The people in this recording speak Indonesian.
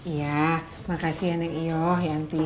iya makasih ya neng iyoh yanti